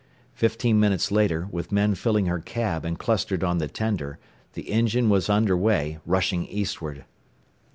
Fifteen minutes later, with men filling her cab and clustered on the tender, the engine was under way, rushing eastward.